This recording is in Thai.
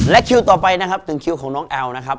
คิวต่อไปนะครับถึงคิวของน้องแอลนะครับ